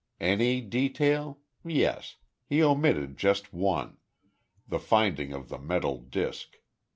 Any detail? Yes. He omitted just one the finding of the metal disk.